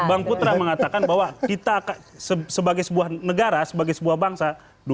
bang putra mengatakan bahwa kita sebagai sebuah negara sebagai sebuah bangsa